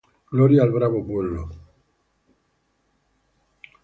Gloria al Bravo Pueblo